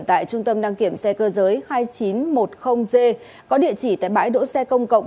tại trung tâm đăng kiểm xe cơ giới hai nghìn chín trăm một mươi g có địa chỉ tại bãi đỗ xe công cộng